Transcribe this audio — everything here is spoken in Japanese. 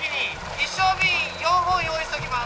一升瓶４本用意しておきます！